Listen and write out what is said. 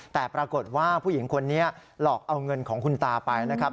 แต่ปรากฏว่าผู้หญิงคนนี้หลอกเอาเงินของคุณตาไปนะครับ